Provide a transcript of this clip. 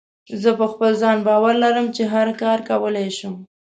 زه په خپل ځان باور لرم چې هر کار کولی شم.